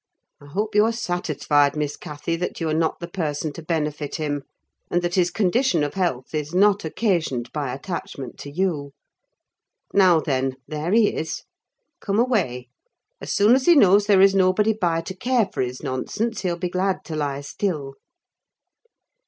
I hope you are satisfied, Miss Cathy, that you are not the person to benefit him; and that his condition of health is not occasioned by attachment to you. Now, then, there he is! Come away: as soon as he knows there is nobody by to care for his nonsense, he'll be glad to lie still."